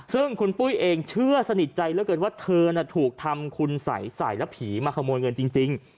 ซึ่งคุณปุ้ยเองเชื่อสนิทใจเหลือเกินว่าเธอถูกทำคุณสัยใส่แล้วผีมาขโมยเงินจริง